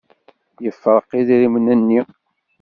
Yefreq idrimen-nni.